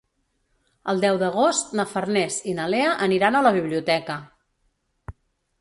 El deu d'agost na Farners i na Lea aniran a la biblioteca.